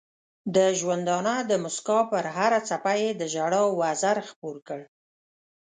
د ژوندانه د مسکا پر هره څپه یې د ژړا وزر خپور کړ.